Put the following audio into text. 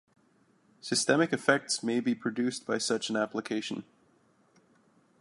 Systemic effects may be produced by such an application.